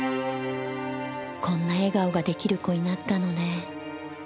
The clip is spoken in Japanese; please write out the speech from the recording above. こんな笑顔が出来る子になったのね。